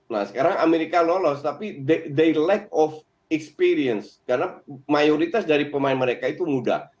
nah sekarang amerika lolos tapi mereka kurang pengalaman karena mayoritas dari pemain mereka itu muda